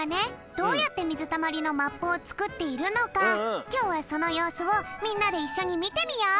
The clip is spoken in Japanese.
どうやってみずたまりのマップをつくっているのかきょうはそのようすをみんなでいっしょにみてみよう！